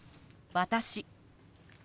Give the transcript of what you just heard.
「私」。